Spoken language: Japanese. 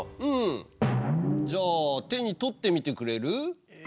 うん。じゃあ手に取ってみてくれる？